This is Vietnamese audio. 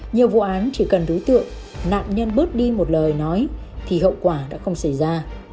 nhiều vụ án chỉ cần đối tượng nạn nhân bớt đi một lời nói thì hậu quả đã không xảy ra